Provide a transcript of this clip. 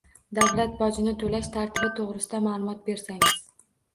Davlat bojini to‘lash tartibi to‘g‘risida ma’lumot bersangiz?